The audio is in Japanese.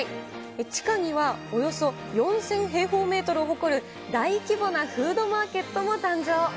地下にはおよそ４０００平方メートルを誇る、大規模なフードマーケットも誕生。